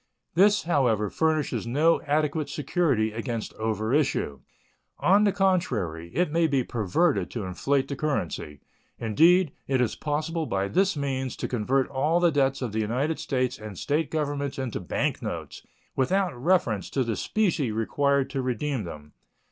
This, however, furnishes no adequate security against overissue. On the contrary, it may be perverted to inflate the currency. Indeed, it is possible by this means to convert all the debts of the United States and State Governments into bank notes, without reference to the specie required to redeem them.